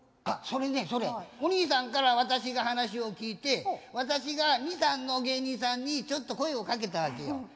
あっそれねそれお兄さんから私が話を聞いて私が２３の芸人さんにちょっと声をかけたわけよ。